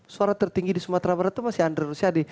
suara tertinggi di sumatera barat itu masih andre rosiade